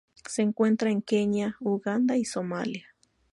Se encuentra en Kenia, Uganda y Somalia.